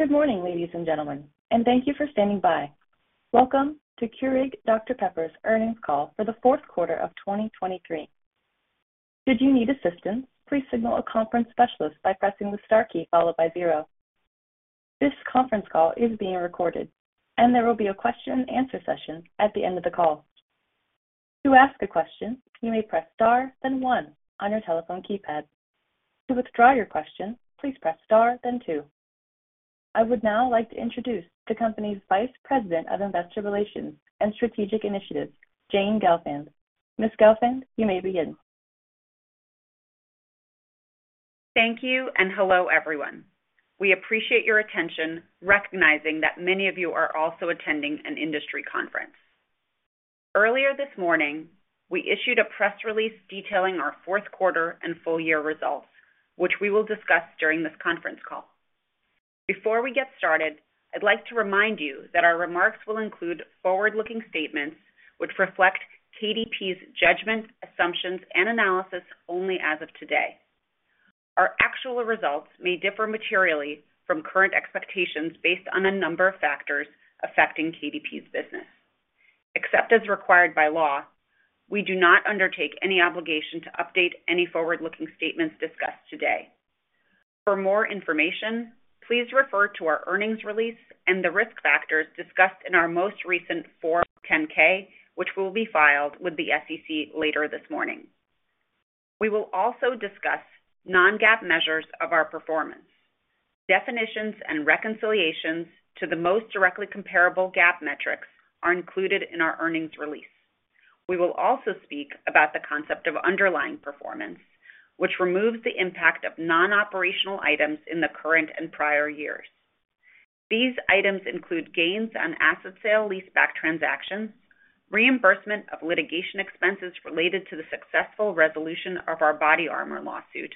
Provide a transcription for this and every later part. Good morning, ladies and gentlemen, and thank you for standing by. Welcome to Keurig Dr Pepper's earnings call for the fourth quarter of 2023. Should you need assistance, please signal a conference specialist by pressing the star key followed by zero. This conference call is being recorded, and there will be a question and answer session at the end of the call. To ask a question, you may press star, then one on your telephone keypad. To withdraw your question, please press star, then two. I would now like to introduce the company's Vice President of Investor Relations and Strategic Initiatives, Jane Gelfand. Ms. Gelfand, you may begin. Thank you, and hello, everyone. We appreciate your attention, recognizing that many of you are also attending an industry conference. Earlier this morning, we issued a press release detailing our fourth quarter and full year results, which we will discuss during this conference call. Before we get started, I'd like to remind you that our remarks will include forward-looking statements, which reflect KDP's judgments, assumptions, and analysis only as of today. Our actual results may differ materially from current expectations based on a number of factors affecting KDP's business. Except as required by law, we do not undertake any obligation to update any forward-looking statements discussed today. For more information, please refer to our earnings release and the risk factors discussed in our most recent Form 10-K, which will be filed with the SEC later this morning. We will also discuss non-GAAP measures of our performance. Definitions and reconciliations to the most directly comparable GAAP metrics are included in our earnings release. We will also speak about the concept of underlying performance, which removes the impact of non-operational items in the current and prior years. These items include gains on asset sale, leaseback transactions, reimbursement of litigation expenses related to the successful resolution of our BodyArmor lawsuit,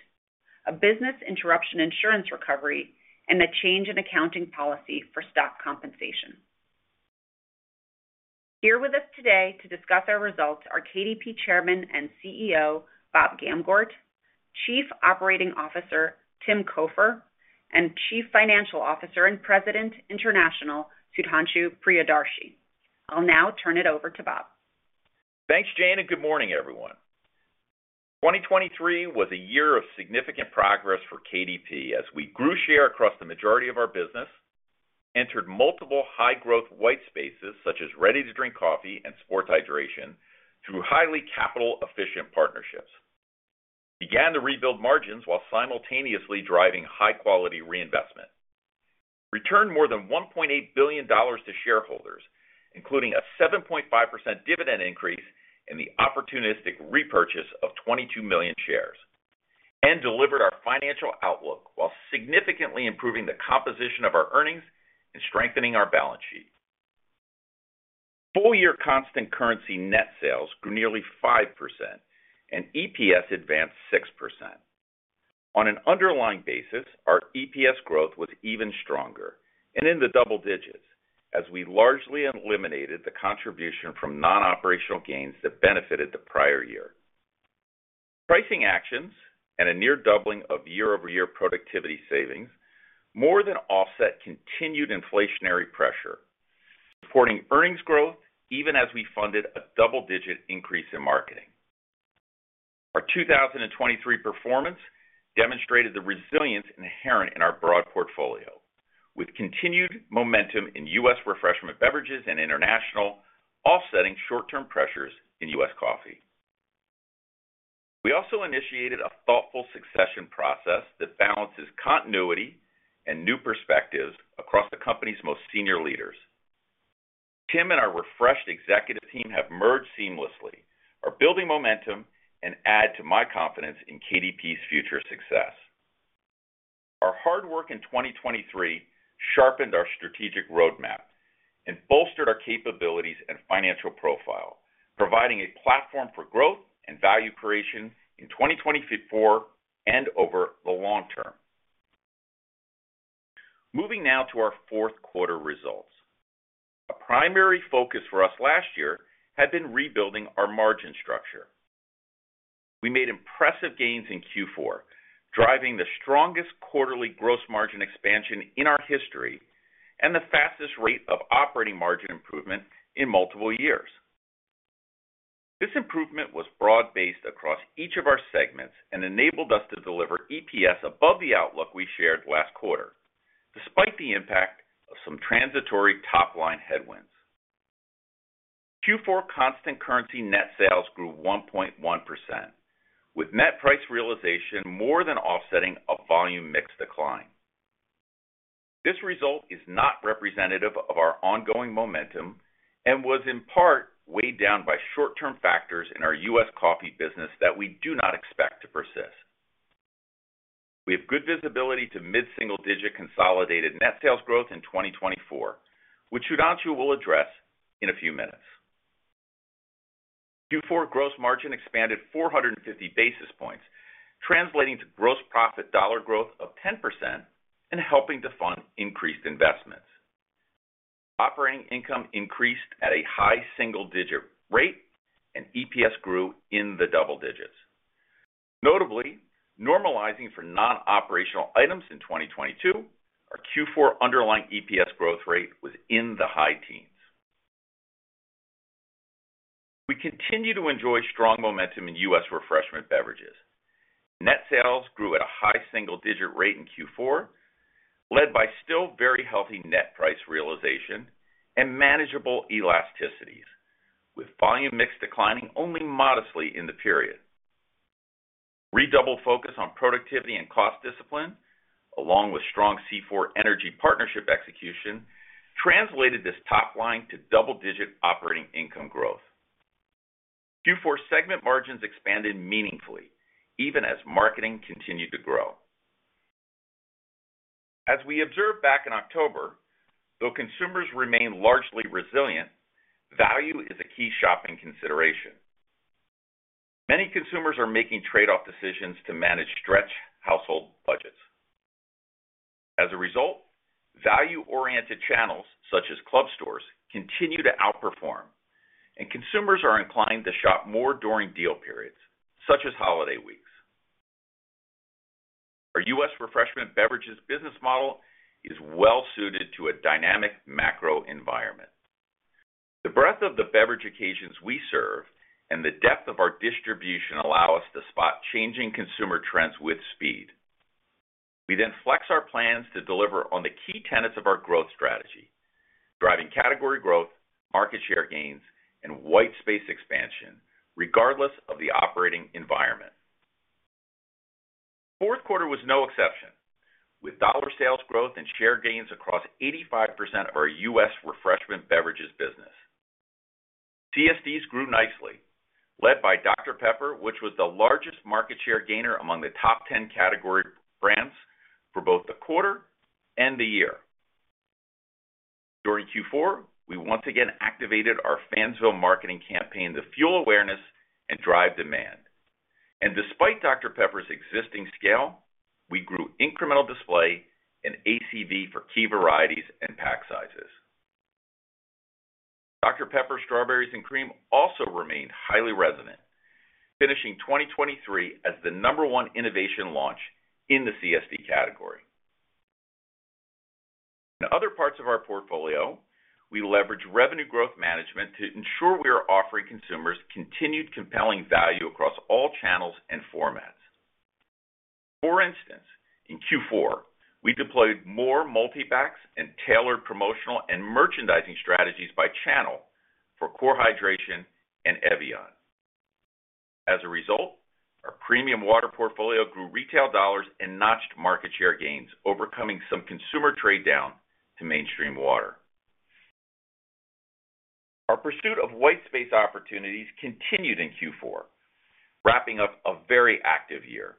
a business interruption insurance recovery, and a change in accounting policy for stock compensation. Here with us today to discuss our results are KDP Chairman and CEO, Bob Gamgort, Chief Operating Officer, Tim Cofer, and Chief Financial Officer and President, International, Sudhanshu Priyadarshi. I'll now turn it over to Bob. Thanks, Jane, and good morning, everyone. 2023 was a year of significant progress for KDP as we grew share across the majority of our business, entered multiple high-growth white spaces, such as ready-to-drink coffee and sports hydration, through highly capital-efficient partnerships. Began to rebuild margins while simultaneously driving high-quality reinvestment. Returned more than $1.8 billion to shareholders, including a 7.5% dividend increase and the opportunistic repurchase of 22 million shares, and delivered our financial outlook while significantly improving the composition of our earnings and strengthening our balance sheet. Full year constant currency net sales grew nearly 5%, and EPS advanced 6%. On an underlying basis, our EPS growth was even stronger and in the double digits, as we largely eliminated the contribution from non-operational gains that benefited the prior year. Pricing actions and a near doubling of year-over-year productivity savings more than offset continued inflationary pressure, supporting earnings growth even as we funded a double-digit increase in marketing. Our 2023 performance demonstrated the resilience inherent in our broad portfolio, with continued momentum in U.S. Refreshment Beverages and international, offsetting short-term pressures in U.S. coffee. We also initiated a thoughtful succession process that balances continuity and new perspectives across the company's most senior leaders. Tim and our refreshed executive team have merged seamlessly, are building momentum, and add to my confidence in KDP's future success. Our hard work in 2023 sharpened our strategic roadmap and bolstered our capabilities and financial profile, providing a platform for growth and value creation in 2024 and over the long term. Moving now to our fourth quarter results. A primary focus for us last year had been rebuilding our margin structure. We made impressive gains in Q4, driving the strongest quarterly gross margin expansion in our history and the fastest rate of operating margin improvement in multiple years. This improvement was broad-based across each of our segments and enabled us to deliver EPS above the outlook we shared last quarter, despite the impact of some transitory top-line headwinds. Q4 constant currency net sales grew 1.1%, with net price realization more than offsetting a volume mix decline. This result is not representative of our ongoing momentum and was, in part, weighed down by short-term factors in our U.S. coffee business that we do not expect to persist. We have good visibility to mid-single-digit consolidated net sales growth in 2024, which Sudhanshu will address in a few minutes. Q4 gross margin expanded 450 basis points, translating to gross profit dollar growth of 10% and helping to fund increased investment. Operating income increased at a high single-digit rate, and EPS grew in the double digits. Notably, normalizing for non-operational items in 2022, our Q4 underlying EPS growth rate was in the high teens. We continue to enjoy strong momentum in U.S. Refreshment Beverages. Net sales grew at a high single-digit rate in Q4, led by still very healthy net price realization and manageable elasticities, with volume mix declining only modestly in the period. Redoubled focus on productivity and cost discipline, along with strong C4 Energy partnership execution, translated this top line to double-digit operating income growth. Q4 segment margins expanded meaningfully, even as marketing continued to grow. As we observed back in October, though consumers remain largely resilient, value is a key shopping consideration. Many consumers are making trade-off decisions to manage stretch household budgets. As a result, value-oriented channels, such as club stores, continue to outperform, and consumers are inclined to shop more during deal periods, such as holiday weeks. Our U.S. Refreshment Beverages business model is well-suited to a dynamic macro environment. The breadth of the beverage occasions we serve and the depth of our distribution allow us to spot changing consumer trends with speed. We then flex our plans to deliver on the key tenets of our growth strategy, driving category growth, market share gains, and white space expansion, regardless of the operating environment. Fourth quarter was no exception, with dollar sales growth and share gains across 85% of our U.S. Refreshment Beverages business. CSDs grew nicely, led by Dr Pepper, which was the largest market share gainer among the top 10 category brands for both the quarter and the year. During Q4, we once again activated our Fansville marketing campaign to fuel awareness and drive demand. And despite Dr Pepper's existing scale, we grew incremental display and ACV for key varieties and pack sizes. Dr Pepper Strawberries and Cream also remained highly resonant, finishing 2023 as the number one innovation launch in the CSD category. In other parts of our portfolio, we leverage revenue growth management to ensure we are offering consumers continued compelling value across all channels and formats. For instance, in Q4, we deployed more multi-packs and tailored promotional and merchandising strategies by channel for Core Hydration and Evian. As a result, our premium water portfolio grew retail dollars and notched market share gains, overcoming some consumer trade-down to mainstream water. Our pursuit of white space opportunities continued in Q4, wrapping up a very active year.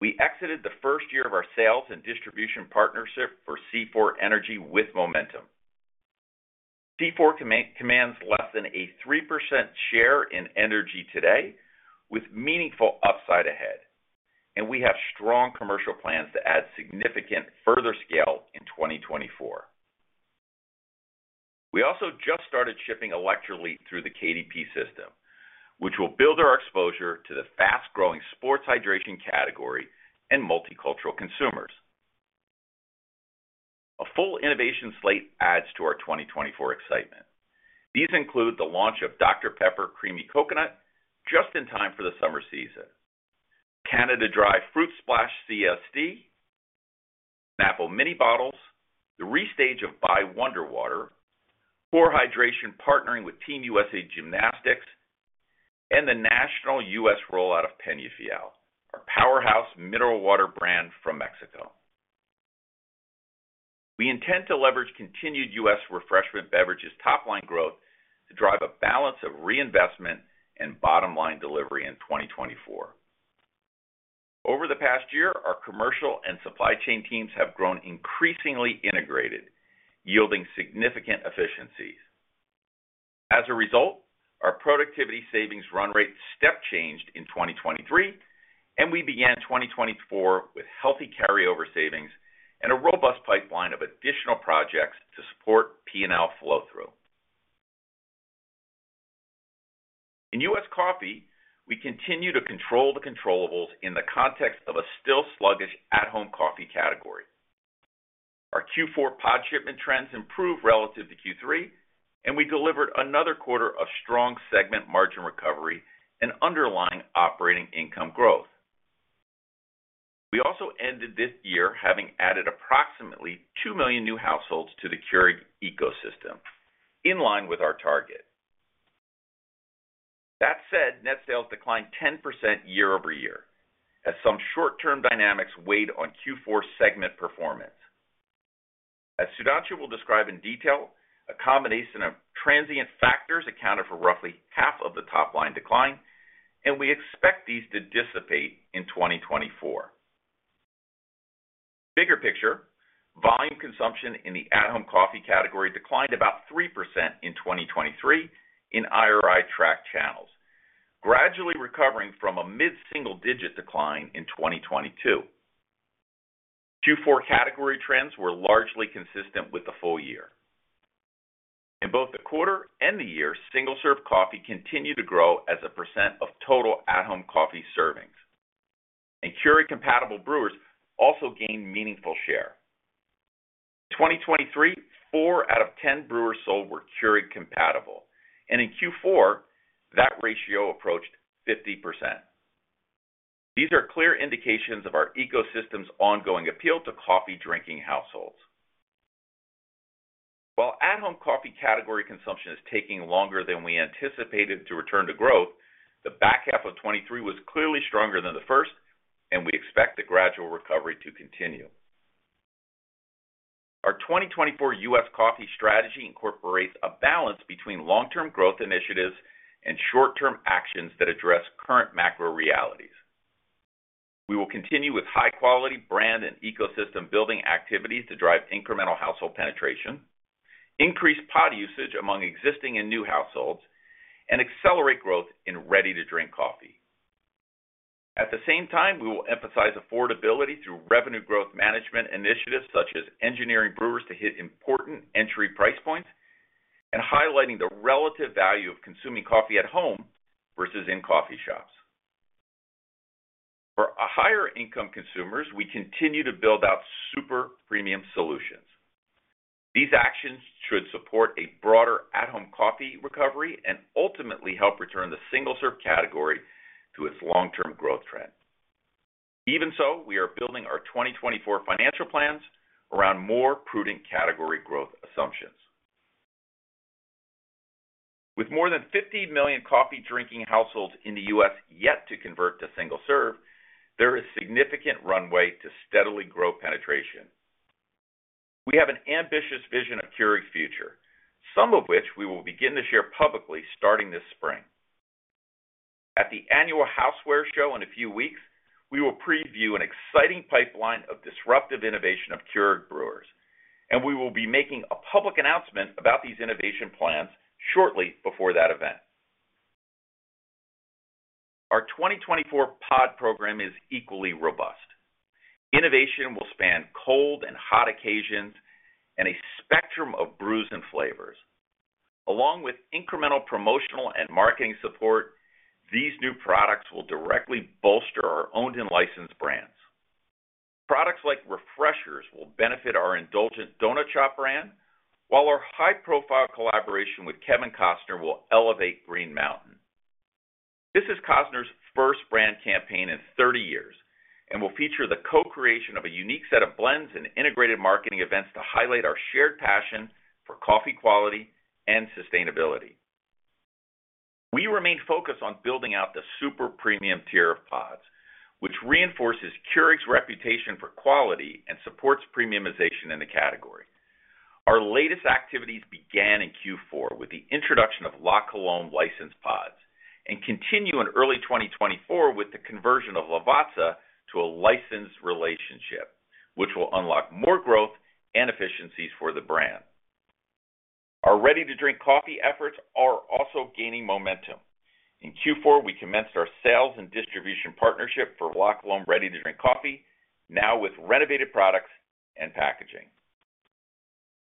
We exited the first year of our sales and distribution partnership for C4 Energy with momentum. C4 commands less than a 3% share in energy today, with meaningful upside ahead, and we have strong commercial plans to add significant further scale in 2024. We also just started shipping Electrolit through the KDP system, which will build our exposure to the fast-growing sports hydration category and multicultural consumers. A full innovation slate adds to our 2024 excitement. These include the launch of Dr Pepper Creamy Coconut, just in time for the summer season, Canada Dry Fruit Splash CSD, Snapple Mini ottles, The Restage of Bai, Core Hydration partnering with Team U.S.A. Gymnastics, and the national U.S. rollout of Peñafiel, our powerhouse mineral water brand from Mexico. We intend to leverage continued U.S. Refreshment Beverages top-line growth to drive a balance of reinvestment and bottom-line delivery in 2024. Over the past year, our commercial and supply chain teams have grown increasingly integrated, yielding significant efficiencies. As a result, our productivity savings run rate step changed in 2023, and we began 2024 with healthy carryover savings and a robust pipeline of additional projects to support P&L flow-through. In U.S. coffee, we continue to control the controllables in the context of a still sluggish at-home coffee category. Our Q4 pod shipment trends improved relative to Q3, and we delivered another quarter of strong segment margin recovery and underlying operating income growth. We also ended this year having added approximately 2 million new households to the Keurig ecosystem, in line with our target. That said, net sales declined 10% year-over-year, as some short-term dynamics weighed on Q4 segment performance. As Sudhanshu will describe in detail, a combination of transient factors accounted for roughly half of the top-line decline, and we expect these to dissipate in 2024. Bigger picture, volume consumption in the at-home coffee category declined about 3% in 2023 in IRI tracked channels... slowly recovering from a mid-single-digit decline in 2022. Q4 category trends were largely consistent with the full year. In both the quarter and the year, single-serve coffee continued to grow as a percent of total at-home coffee servings, and Keurig compatible brewers also gained meaningful share. In 2023, 4 out of 10 brewers sold were Keurig compatible, and in Q4, that ratio approached 50%. These are clear indications of our ecosystem's ongoing appeal to coffee drinking households. While at-home coffee category consumption is taking longer than we anticipated to return to growth, the back half of 2023 was clearly stronger than the first, and we expect the gradual recovery to continue. Our 2024 U.S. Coffee strategy incorporates a balance between long-term growth initiatives and short-term actions that address current macro realities. We will continue with high-quality brand and ecosystem building activities to drive incremental household penetration, increase pod usage among existing and new households, and accelerate growth in ready-to-drink coffee. At the same time, we will emphasize affordability through revenue growth management initiatives, such as engineering brewers to hit important entry price points and highlighting the relative value of consuming coffee at home versus in coffee shops. For our higher income consumers, we continue to build out super premium solutions. These actions should support a broader at-home coffee recovery and ultimately help return the single-serve category to its long-term growth trend. Even so, we are building our 2024 financial plans around more prudent category growth assumptions. With more than 50 million coffee drinking households in the U.S. yet to convert to single-serve, there is significant runway to steadily grow penetration. We have an ambitious vision of Keurig's future, some of which we will begin to share publicly starting this spring. At the annual houseware show in a few weeks, we will preview an exciting pipeline of disruptive innovation of Keurig brewers, and we will be making a public announcement about these innovation plans shortly before that event. Our 2024 pod program is equally robust. Innovation will span cold and hot occasions and a spectrum of brews and flavors. Along with incremental promotional and marketing support, these new products will directly bolster our owned and licensed brands. Products like Refreshers will benefit our indulgent donut shop brand, while our high-profile collaboration with Kevin Costner will elevate Green Mountain. This is Costner's first brand campaign in 30 years and will feature the co-creation of a unique set of blends and integrated marketing events to highlight our shared passion for coffee quality and sustainability. We remain focused on building out the super premium tier of pods, which reinforces Keurig's reputation for quality and supports premiumization in the category. Our latest activities began in Q4 with the introduction of La Colombe licensed pods and continue in early 2024 with the conversion of Lavazza to a licensed relationship, which will unlock more growth and efficiencies for the brand. Our ready-to-drink coffee efforts are also gaining momentum. In Q4, we commenced our sales and distribution partnership for La Colombe ready-to-drink coffee, now with renovated products and packaging.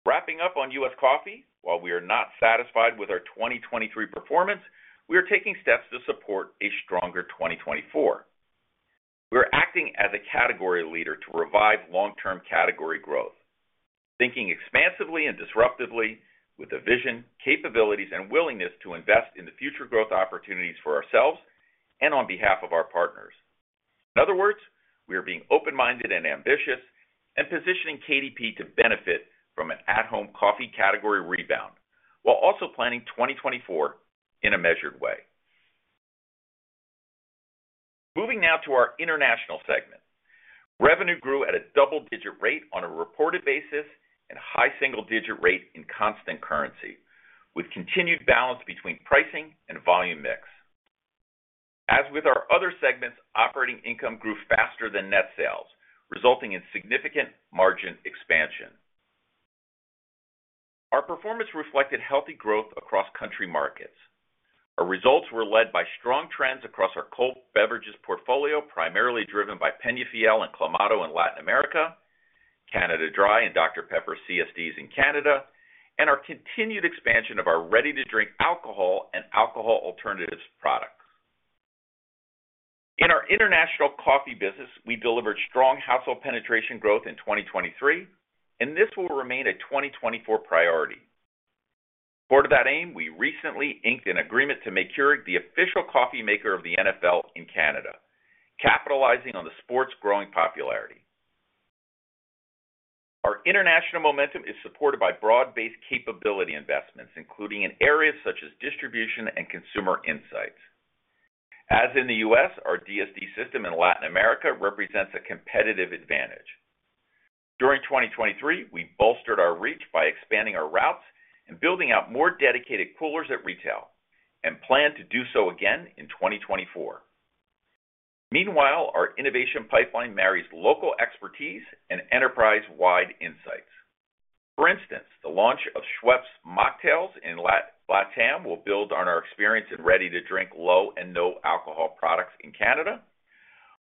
Wrapping up on U.S. Coffee, while we are not satisfied with our 2023 performance, we are taking steps to support a stronger 2024. We are acting as a category leader to revive long-term category growth, thinking expansively and disruptively with the vision, capabilities, and willingness to invest in the future growth opportunities for ourselves and on behalf of our partners. In other words, we are being open-minded and ambitious and positioning KDP to benefit from an at-home coffee category rebound, while also planning 2024 in a measured way. Moving now to our international segment. Revenue grew at a double-digit rate on a reported basis and a high single-digit rate in constant currency, with continued balance between pricing and volume mix. As with our other segments, operating income grew faster than net sales, resulting in significant margin expansion. Our performance reflected healthy growth across country markets. Our results were led by strong trends across our cold beverages portfolio, primarily driven by Peñafiel and Clamato in Latin America, Canada Dry and Dr Pepper CSDs in Canada, and our continued expansion of our ready-to-drink alcohol and alcohol alternatives products. In our international coffee business, we delivered strong household penetration growth in 2023, and this will remain a 2024 priority. Support of that aim, we recently inked an agreement to make Keurig the official coffee maker of the NFL in Canada, capitalizing on the sport's growing popularity. Our international momentum is supported by broad-based capability investments, including in areas such as distribution and consumer insights. As in the U.S., our DSD system in Latin America represents a competitive advantage. During 2023, we bolstered our reach by expanding our routes and building out more dedicated coolers at retail and plan to do so again in 2024. Meanwhile, our innovation pipeline marries local expertise and enterprise-wide insights. For instance, the launch of Schweppes Mocktails in Latam will build on our experience in ready-to-drink low and no alcohol products in Canada,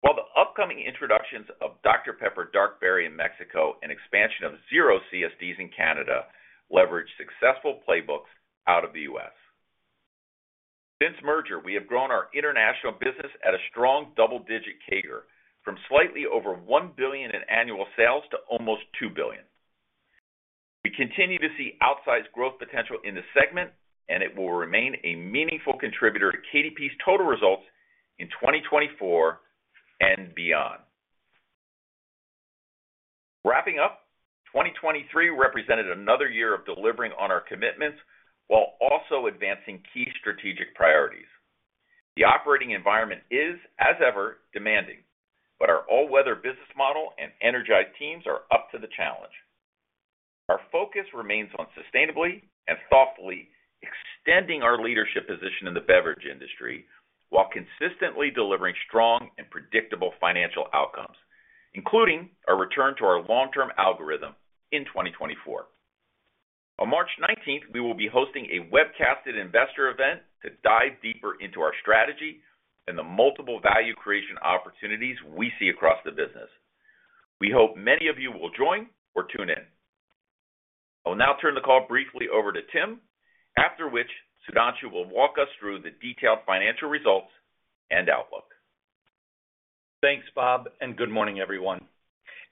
while the upcoming introductions of Dr Pepper Dark Berry in Mexico and expansion of Zero CSDs in Canada leverage successful playbooks out of the U.S. Since merger, we have grown our international business at a strong double-digit CAGR, from slightly over $1 billion in annual sales to almost $2 billion. We continue to see outsized growth potential in this segment, and it will remain a meaningful contributor to KDP's total results in 2024 and beyond. Wrapping up, 2023 represented another year of delivering on our commitments while also advancing key strategic priorities. The operating environment is, as ever, demanding, but our all-weather business model and energized teams are up to the challenge. Our focus remains on sustainably and thoughtfully extending our leadership position in the beverage industry, while consistently delivering strong and predictable financial outcomes, including a return to our long-term algorithm in 2024. On March 19, we will be hosting a webcasted investor event to dive deeper into our strategy and the multiple value creation opportunities we see across the business. We hope many of you will join or tune in. I will now turn the call briefly over to Tim, after which Sudhanshu will walk us through the detailed financial results and outlook. Thanks, Bob, and good morning, everyone.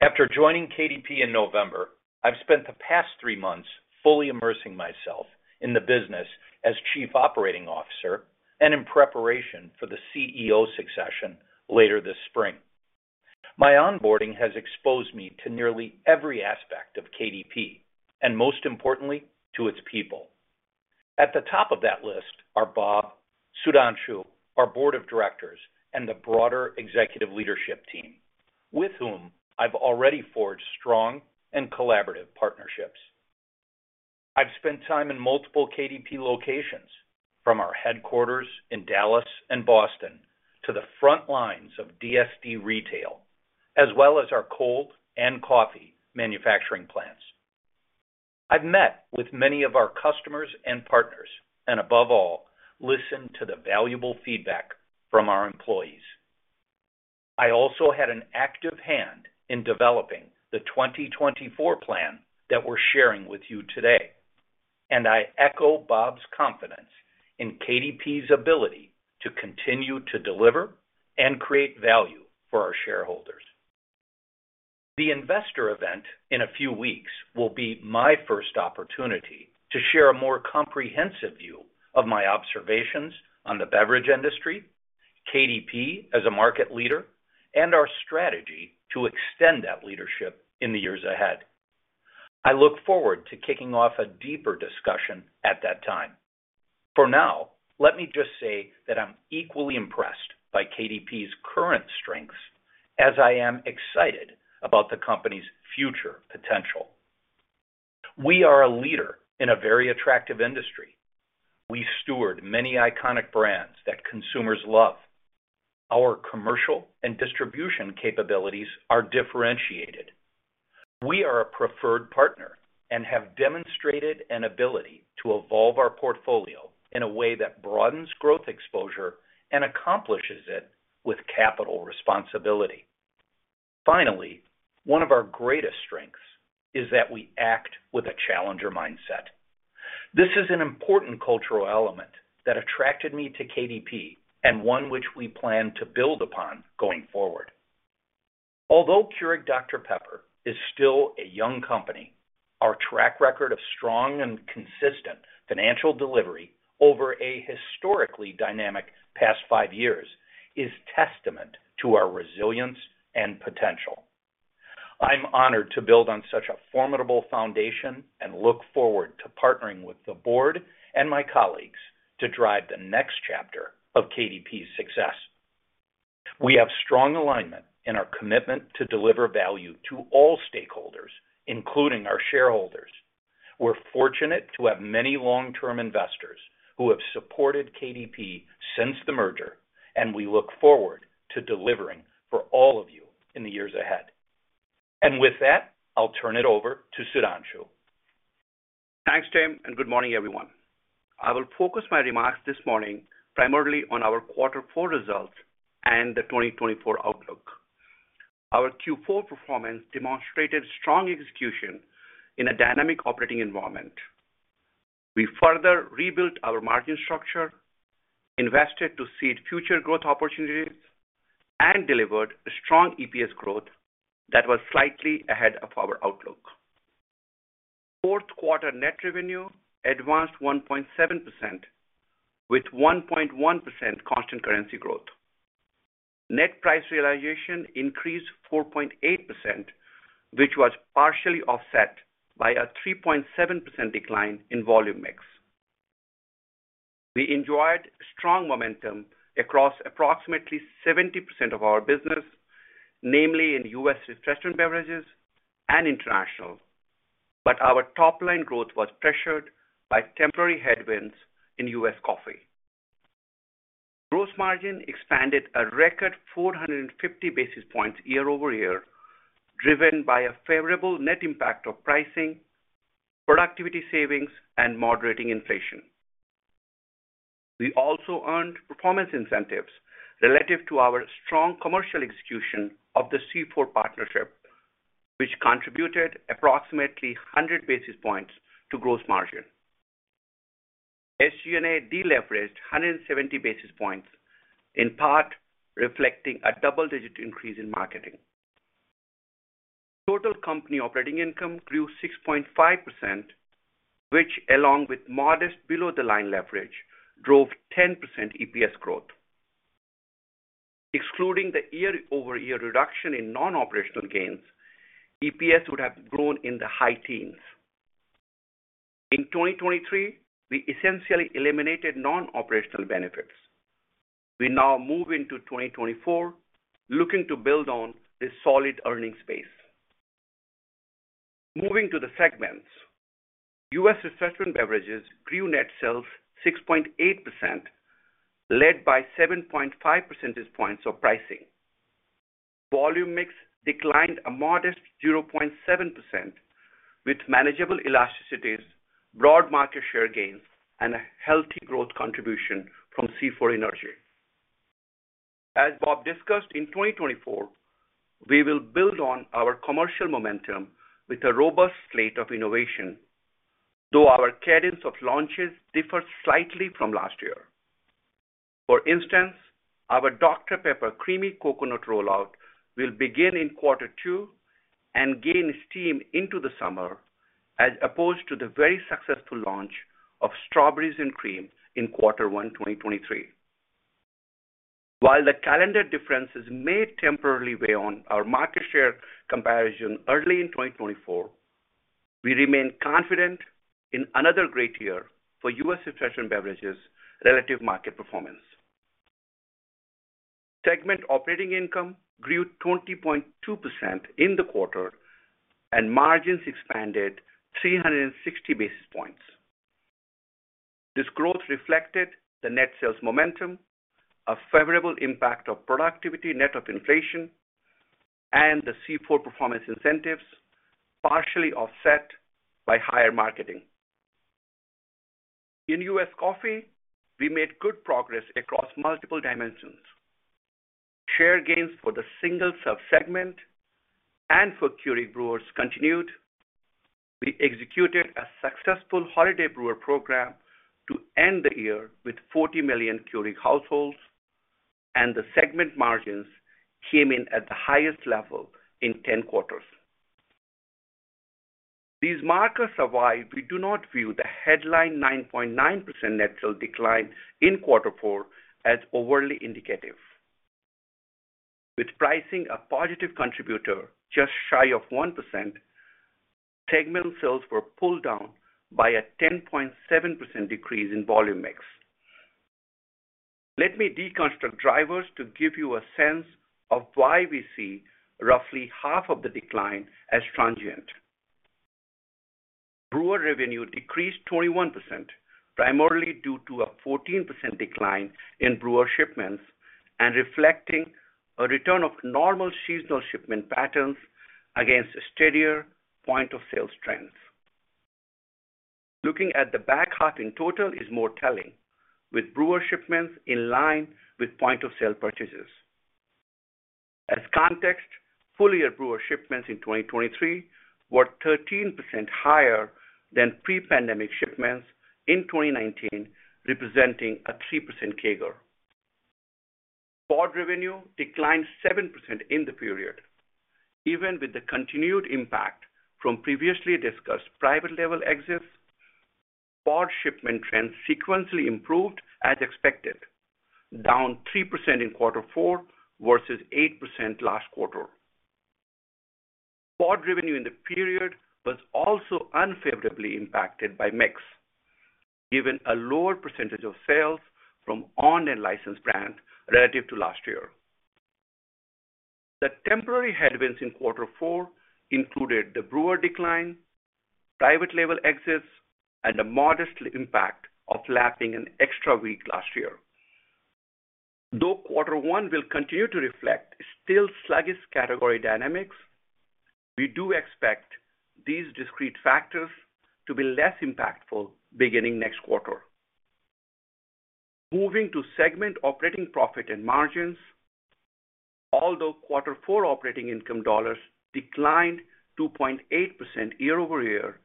After joining KDP in November, I've spent the past three months fully immersing myself in the business as Chief Operating Officer and in preparation for the CEO succession later this spring. My onboarding has exposed me to nearly every aspect of KDP, and most importantly, to its people. At the top of that list are Bob, Sudhanshu, our board of directors, and the broader executive leadership team, with whom I've already forged strong and collaborative partnerships. I've spent time in multiple KDP locations, from our headquarters in Dallas and Boston, to the front lines of DSD Retail, as well as our cold and coffee manufacturing plants. I've met with many of our customers and partners, and above all, listened to the valuable feedback from our employees. I also had an active hand in developing the 2024 plan that we're sharing with you today, and I echo Bob's confidence in KDP's ability to continue to deliver and create value for our shareholders. The investor event in a few weeks will be my first opportunity to share a more comprehensive view of my observations on the beverage industry, KDP as a market leader, and our strategy to extend that leadership in the years ahead. I look forward to kicking off a deeper discussion at that time. For now, let me just say that I'm equally impressed by KDP's current strengths as I am excited about the company's future potential. We are a leader in a very attractive industry. We steward many iconic brands that consumers love. Our commercial and distribution capabilities are differentiated. We are a preferred partner and have demonstrated an ability to evolve our portfolio in a way that broadens growth exposure and accomplishes it with capital responsibility. Finally, one of our greatest strengths is that we act with a challenger mindset. This is an important cultural element that attracted me to KDP, and one which we plan to build upon going forward. Although Keurig Dr Pepper is still a young company, our track record of strong and consistent financial delivery over a historically dynamic past five years is testament to our resilience and potential. I'm honored to build on such a formidable foundation and look forward to partnering with the board and my colleagues to drive the next chapter of KDP's success. We have strong alignment in our commitment to deliver value to all stakeholders, including our shareholders. We're fortunate to have many long-term investors who have supported KDP since the merger, and we look forward to delivering for all of you in the years ahead. With that, I'll turn it over to Sudhanshu. Thanks, Tim, and good morning, everyone. I will focus my remarks this morning primarily on our fourth quarter results and the 2024 outlook. Our Q4 performance demonstrated strong execution in a dynamic operating environment. We further rebuilt our margin structure, invested to seed future growth opportunities, and delivered a strong EPS growth that was slightly ahead of our outlook. Fourth quarter net revenue advanced 1.7%, with 1.1% constant currency growth. Net price realization increased 4.8%, which was partially offset by a 3.7% decline in volume mix. We enjoyed strong momentum across approximately 70% of our business, namely in U.S. Refreshment Beverages and international... but our top line growth was pressured by temporary headwinds in U.S. coffee. Gross margin expanded a record 450 basis points year-over-year, driven by a favorable net impact of pricing, productivity savings, and moderating inflation. We also earned performance incentives relative to our strong commercial execution of the C4 partnership, which contributed approximately 100 basis points to gross margin. SG&A deleveraged 170 basis points, in part reflecting a double-digit increase in marketing. Total company operating income grew 6.5%, which, along with modest below-the-line leverage, drove 10% EPS growth. Excluding the year-over-year reduction in non-operational gains, EPS would have grown in the high teens. In 2023, we essentially eliminated non-operational benefits. We now move into 2024, looking to build on this solid earnings base. Moving to the segments. U.S. Refreshment Beverages grew net sales 6.8%, led by 7.5 percentage points of pricing. Volume mix declined a modest 0.7%, with manageable elasticities, broad market share gains, and a healthy growth contribution from C4 Energy. As Bob discussed, in 2024, we will build on our commercial momentum with a robust slate of innovation, though our cadence of launches differs slightly from last year. For instance, our Dr Pepper Creamy Coconut rollout will begin in quarter two and gain steam into the summer, as opposed to the very successful launch of Strawberries and Cream in quarter one 2023. While the calendar differences may temporarily weigh on our market share comparison early in 2024, we remain confident in another great year for U.S. Refreshment Beverages relative market performance. Segment operating income grew 20.2% in the quarter, and margins expanded 360 basis points. This growth reflected the net sales momentum, a favorable impact of productivity, net of inflation, and the C4 performance incentives, partially offset by higher marketing. In U.S. Coffee, we made good progress across multiple dimensions. Share gains for the single-serve segment and for Keurig brewers continued. We executed a successful holiday brewer program to end the year with 40 million Keurig households, and the segment margins came in at the highest level in 10 quarters. These markers are why we do not view the headline 9.9% net sales decline in quarter four as overly indicative. With pricing a positive contributor just shy of 1%, segment sales were pulled down by a 10.7% decrease in volume mix. Let me deconstruct drivers to give you a sense of why we see roughly half of the decline as transient. Brewer revenue decreased 21%, primarily due to a 14% decline in brewer shipments and reflecting a return of normal seasonal shipment patterns against a steadier point of sale strength. Looking at the back half in total is more telling, with brewer shipments in line with point-of-sale purchases. As context, full-year brewer shipments in 2023 were 13% higher than pre-pandemic shipments in 2019, representing a 3% CAGR. POD revenue declined 7% in the period, even with the continued impact from previously discussed private label exits. POD shipment trends sequentially improved as expected, down 3% in quarter four versus 8% last quarter. POD revenue in the period was also unfavorably impacted by mix, given a lower percentage of sales from owned and licensed brands relative to last year. The temporary headwinds in quarter four included the brewer decline, private label exits, and a modest impact of lapping an extra week last year. Though quarter one will continue to reflect still sluggish category dynamics, we do expect these discrete factors to be less impactful beginning next quarter. Moving to segment operating profit and margins, although quarter four operating income dollars declined 2.8% year-over-year,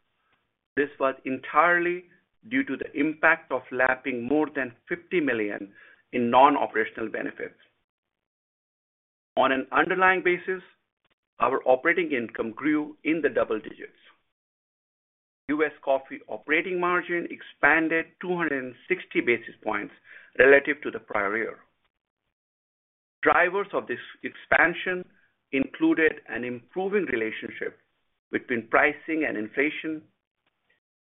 this was entirely due to the impact of lapping more than $50 million in non-operational benefits. On an underlying basis, our operating income grew in the double digits. U.S. Coffee operating margin expanded 260 basis points relative to the prior year. Drivers of this expansion included an improving relationship between pricing and inflation,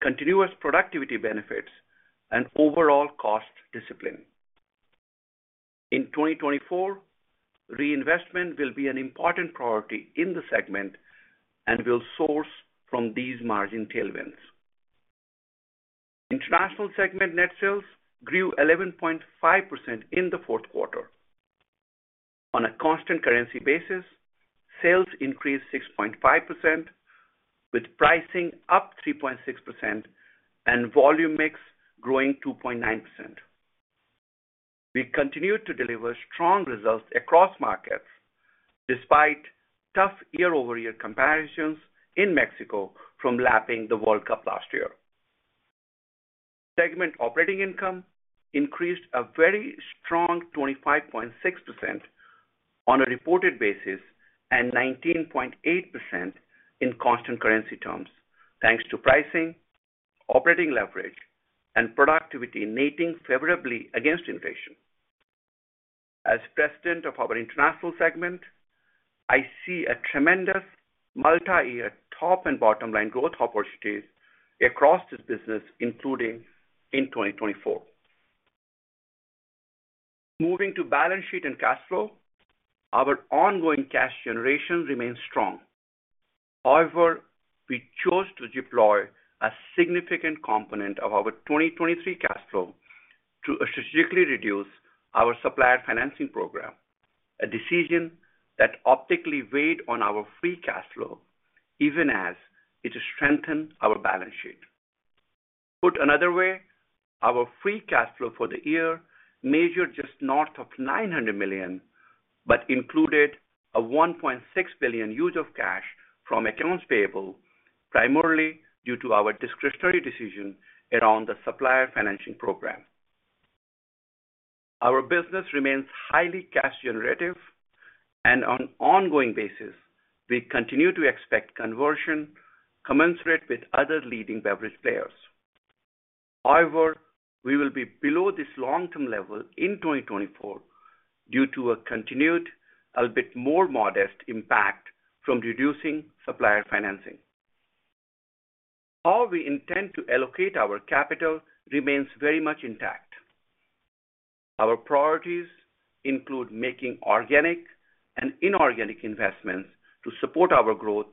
continuous productivity benefits, and overall cost discipline.... In 2024, reinvestment will be an important priority in the segment and will source from these margin tailwinds. International segment net sales grew 11.5% in the fourth quarter. On a constant currency basis, sales increased 6.5%, with pricing up 3.6% and volume mix growing 2.9%. We continued to deliver strong results across markets, despite tough year-over-year comparisons in Mexico from lapping the World Cup last year. Segment operating income increased a very strong 25.6% on a reported basis, and 19.8% in constant currency terms, thanks to pricing, operating leverage, and productivity netting favorably against inflation. As president of our international segment, I see a tremendous multi-year top and bottom line growth opportunities across this business, including in 2024. Moving to balance sheet and cash flow, our ongoing cash generation remains strong. However, we chose to deploy a significant component of our 2023 cash flow to strategically reduce our supplier financing program, a decision that optically weighed on our free cash flow, even as it strengthened our balance sheet. Put another way, our free cash flow for the year measured just north of $900 million, but included a $1.6 billion use of cash from accounts payable, primarily due to our discretionary decision around the supplier financing program. Our business remains highly cash generative, and on an ongoing basis, we continue to expect conversion commensurate with other leading beverage players. However, we will be below this long-term level in 2024 due to a continued, albeit more modest, impact from reducing supplier financing. How we intend to allocate our capital remains very much intact. Our priorities include making organic and inorganic investments to support our growth,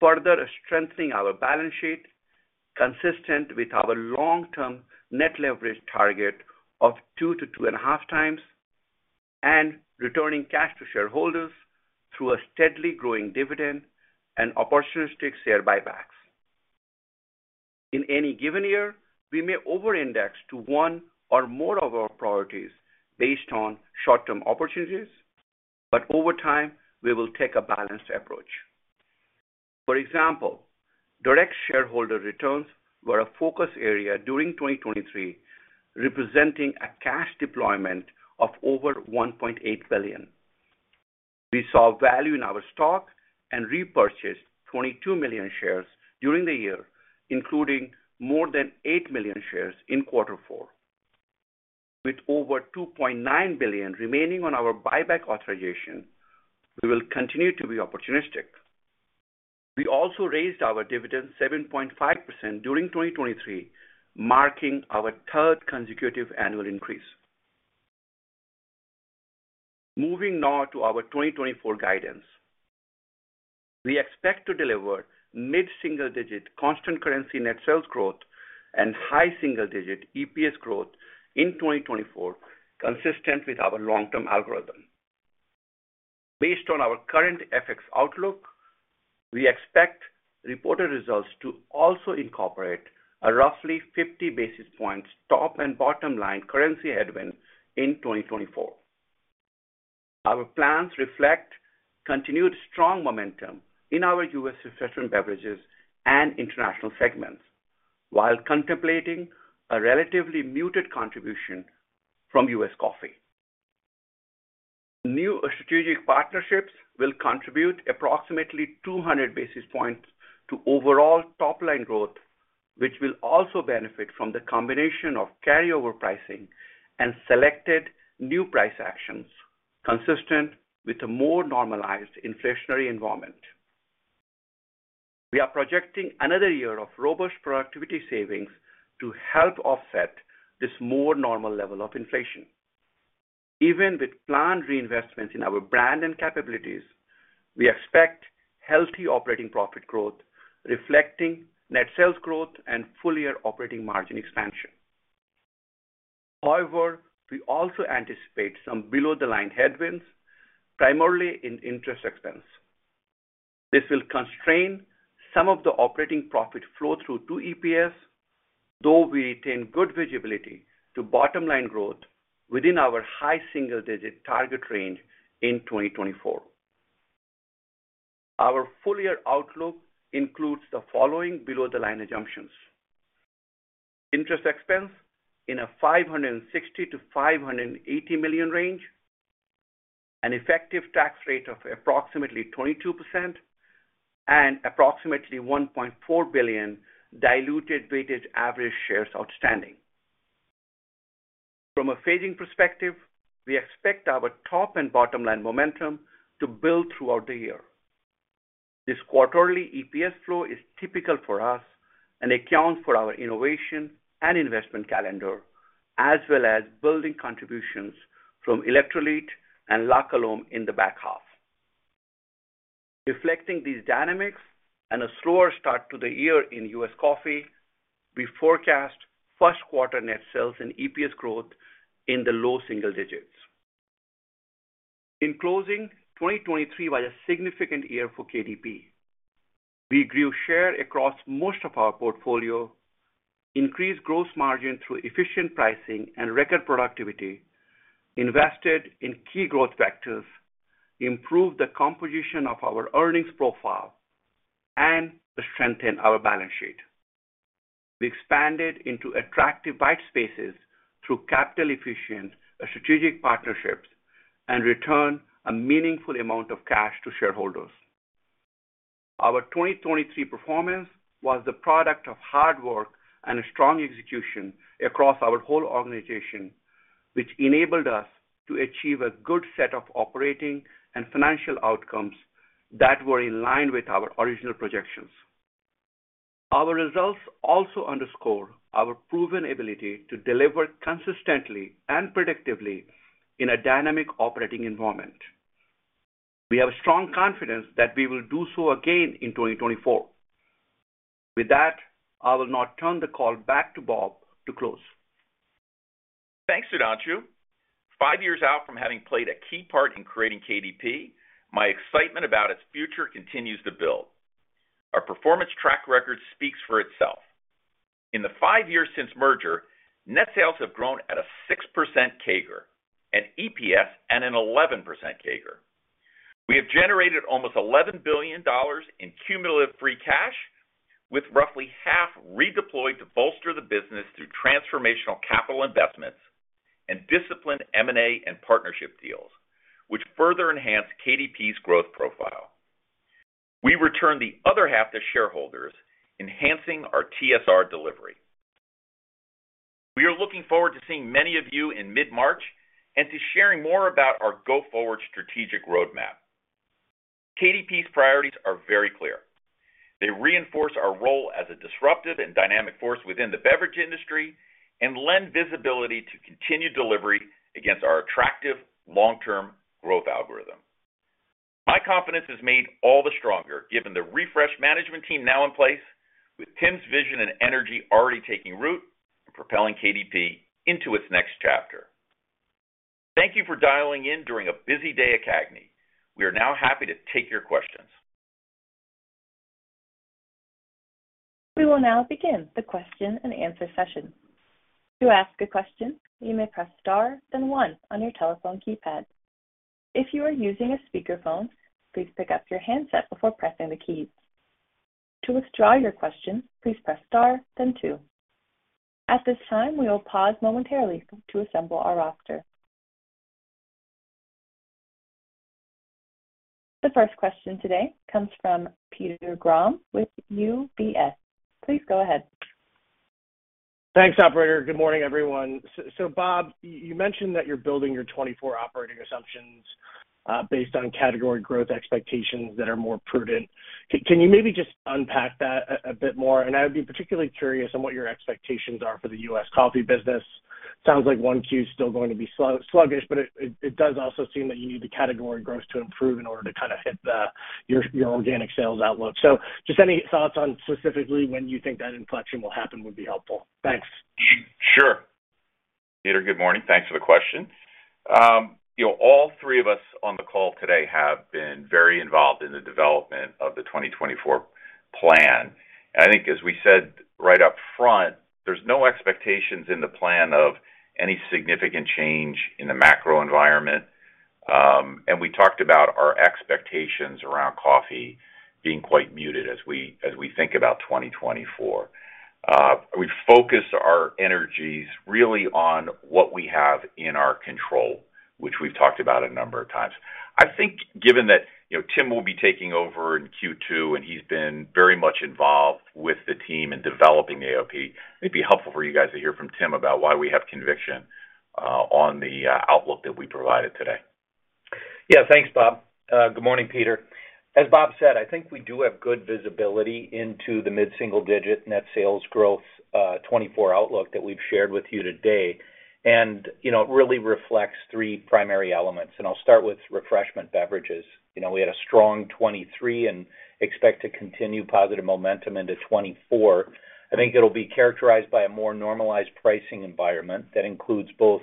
further strengthening our balance sheet, consistent with our long-term net leverage target of 2-2.5 times, and returning cash to shareholders through a steadily growing dividend and opportunistic share buybacks. In any given year, we may over-index to one or more of our priorities based on short-term opportunities, but over time, we will take a balanced approach. For example, direct shareholder returns were a focus area during 2023, representing a cash deployment of over $1.8 billion. We saw value in our stock and repurchased 22 million shares during the year, including more than 8 million shares in quarter four. With over $2.9 billion remaining on our buyback authorization, we will continue to be opportunistic. We also raised our dividend 7.5% during 2023, marking our third consecutive annual increase. Moving now to our 2024 guidance. We expect to deliver mid-single-digit constant currency net sales growth and high single-digit EPS growth in 2024, consistent with our long-term algorithm. Based on our current FX outlook, we expect reported results to also incorporate a roughly 50 basis points top and bottom line currency headwind in 2024. Our plans reflect continued strong momentum in our U.S. Refreshment Beverages and International segments, while contemplating a relatively muted contribution from U.S. Coffee. New strategic partnerships will contribute approximately 200 basis points to overall top-line growth, which will also benefit from the combination of carryover pricing and selected new price actions, consistent with a more normalized inflationary environment. We are projecting another year of robust productivity savings to help offset this more normal level of inflation. Even with planned reinvestments in our brand and capabilities, we expect healthy operating profit growth, reflecting net sales growth and full-year operating margin expansion. However, we also anticipate some below-the-line headwinds, primarily in interest expense. This will constrain some of the operating profit flow through to EPS, though we retain good visibility to bottom-line growth within our high single-digit target range in 2024. Our full-year outlook includes the following below-the-line assumptions: interest expense in a $560-$580 million range, an effective tax rate of approximately 22%, and approximately 1.4 billion diluted weighted average shares outstanding. From a phasing perspective, we expect our top and bottom-line momentum to build throughout the year. This quarterly EPS flow is typical for us and accounts for our innovation and investment calendar, as well as building contributions from Electrolit and La Colombe in the back half. Reflecting these dynamics and a slower start to the year in U.S. Coffee, we forecast first quarter net sales and EPS growth in the low single digits. In closing, 2023 was a significant year for KDP. We grew share across most of our portfolio, increased gross margin through efficient pricing and record productivity, invested in key growth vectors, improved the composition of our earnings profile, and strengthened our balance sheet. We expanded into attractive white spaces through capital-efficient strategic partnerships and returned a meaningful amount of cash to shareholders. Our 2023 performance was the product of hard work and a strong execution across our whole organization, which enabled us to achieve a good set of operating and financial outcomes that were in line with our original projections. Our results also underscore our proven ability to deliver consistently and predictively in a dynamic operating environment. We have strong confidence that we will do so again in 2024. With that, I will now turn the call back to Bob to close. Thanks, Sudhanshu. Five years out from having played a key part in creating KDP, my excitement about its future continues to build. Our performance track record speaks for itself. In the five years since merger, net sales have grown at a 6% CAGR, and EPS at an 11% CAGR. We have generated almost $11 billion in cumulative free cash, with roughly half redeployed to bolster the business through transformational capital investments and disciplined M&A and partnership deals, which further enhance KDP's growth profile. We return the other half to shareholders, enhancing our TSR delivery. We are looking forward to seeing many of you in mid-March and to sharing more about our go-forward strategic roadmap. KDP's priorities are very clear. They reinforce our role as a disruptive and dynamic force within the beverage industry and lend visibility to continued delivery against our attractive long-term growth algorithm. My confidence is made all the stronger, given the refreshed management team now in place, with Tim's vision and energy already taking root and propelling KDP into its next chapter. Thank you for dialing in during a busy day at CAGNY. We are now happy to take your questions. We will now begin the question-and-answer session. To ask a question, you may press star, then one on your telephone keypad. If you are using a speakerphone, please pick up your handset before pressing the keys. To withdraw your question, please press star, then two. At this time, we will pause momentarily to assemble our roster. The first question today comes from Peter Grom with UBS. Please go ahead. Thanks, operator. Good morning, everyone. So, Bob, you mentioned that you're building your 2024 operating assumptions based on category growth expectations that are more prudent. Can you maybe just unpack that a bit more? And I would be particularly curious on what your expectations are for the U.S. Coffee business. Sounds like 1Q is still going to be slow, sluggish, but it does also seem that you need the category growth to improve in order to kind of hit your organic sales outlook. So just any thoughts on specifically when you think that inflection will happen would be helpful. Thanks. Sure. Peter, good morning. Thanks for the question. You know, all three of us on the call today have been very involved in the development of the 2024 plan. And I think, as we said right up front, there's no expectations in the plan of any significant change in the macro environment, and we talked about our expectations around coffee being quite muted as we, as we think about 2024. We focused our energies really on what we have in our control, which we've talked about a number of times. I think, given that, you know, Tim will be taking over in Q2, and he's been very much involved with the team in developing the AOP, it'd be helpful for you guys to hear from Tim about why we have conviction on the outlook that we provided today. Yeah. Thanks, Bob. Good morning, Peter. As Bob said, I think we do have good visibility into the mid-single-digit net sales growth, 2024 outlook that we've shared with you today. And, you know, it really reflects three primary elements, and I'll start with Refreshment Beverages. You know, we had a strong 2023 and expect to continue positive momentum into 2024. I think it'll be characterized by a more normalized pricing environment that includes both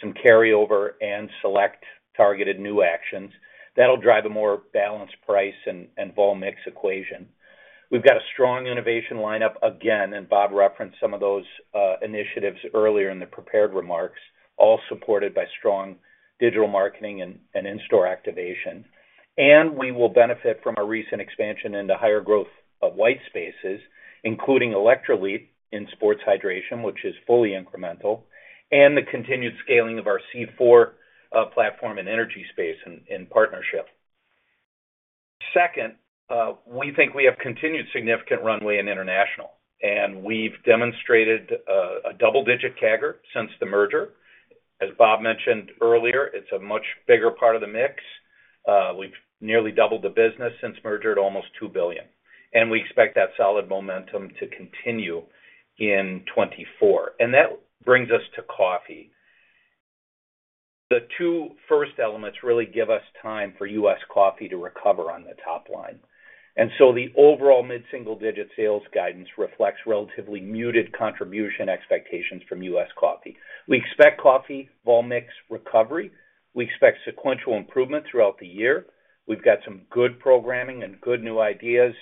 some carryover and select targeted new actions. That'll drive a more balanced price and vol mix equation. We've got a strong innovation lineup again, and Bob referenced some of those initiatives earlier in the prepared remarks, all supported by strong digital marketing and in-store activation. And we will benefit from a recent expansion into higher growth of white spaces, including electrolyte in sports hydration, which is fully incremental, and the continued scaling of our C4 platform and energy space in partnership. Second, we think we have continued significant runway in international, and we've demonstrated a double-digit CAGR since the merger. ...As Bob mentioned earlier, it's a much bigger part of the mix. We've nearly doubled the business since merger at almost $2 billion, and we expect that solid momentum to continue in 2024. And that brings us to coffee. The two first elements really give us time for U.S. Coffee to recover on the top line, and so the overall mid-single-digit sales guidance reflects relatively muted contribution expectations from U.S. Coffee. We expect coffee volume mix recovery. We expect sequential improvement throughout the year. We've got some good programming and good new ideas,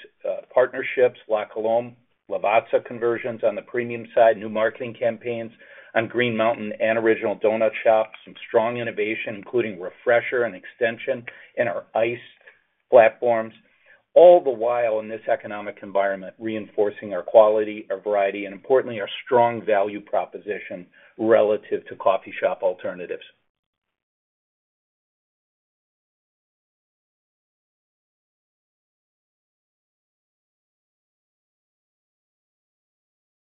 partnerships, La Colombe, Lavazza conversions on the premium side, new marketing campaigns on Green Mountain and The Original Donut Shop, some strong innovation, including Refreshers and extension in our iced platforms, all the while in this economic environment, reinforcing our quality, our variety, and importantly, our strong value proposition relative to coffee shop alternatives.